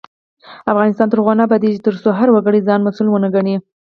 افغانستان تر هغو نه ابادیږي، ترڅو هر وګړی ځان مسؤل ونه ګڼي.